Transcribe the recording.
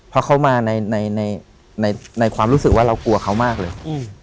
เพราะเขามาในความรู้สึกว่าเรากลัวเขามากเลย